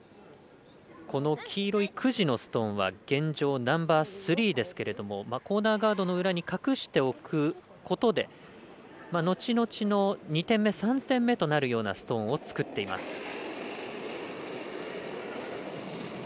黄色い９時のストーンは現状、ナンバースリーですがコーナーガードの後ろに隠しておくことで後々の２点目、３点目となるようなストーンを作っています。